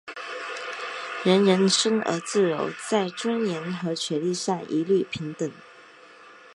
人人生而自由,在尊严和权利上一律平等。